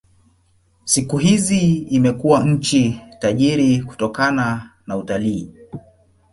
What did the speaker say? Siku hizi imekuwa nchi tajiri kutokana na utalii.